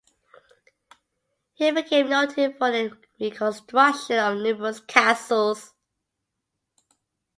He became noted for the reconstruction of numerous castles.